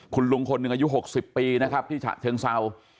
คุณลุงคนอายุ๖๐ปีนะครับที่เชิงเซา